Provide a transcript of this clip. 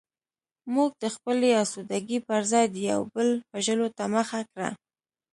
موږ د خپلې اسودګۍ پرځای د یو بل وژلو ته مخه کړه